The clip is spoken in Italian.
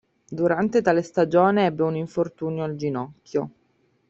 Durante tale stagione ebbe un infortunio al ginocchio.